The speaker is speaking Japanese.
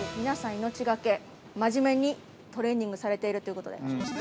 命懸け、真面目にトレーニングをされているということで。